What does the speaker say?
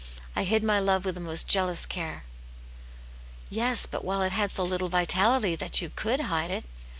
I hid my love with the most jealous care." " Yes, while it had so little vitality that you could hide it.